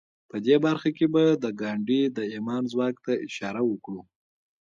په دې برخه کې به د ګاندي د ايمان ځواک ته اشاره وکړو.